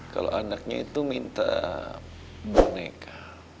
kalau anaknya itu minta boneka